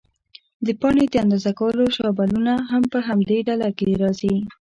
د پاڼې د اندازه کولو شابلونونه هم په همدې ډله کې راځي.